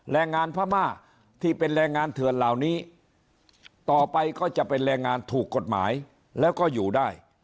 แรงงานพม่าที่เป็นแรงงานเถื่อนเหล่านี้ต่อไปก็จะเป็นแรงงานถูกกฎหมายแล้วก็อยู่ได้